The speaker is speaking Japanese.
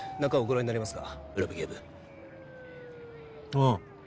ああ。